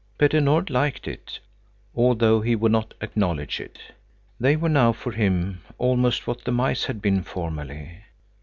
Petter Nord liked it, although he would not acknowledge it. They were now for him almost what the mice had been formerly.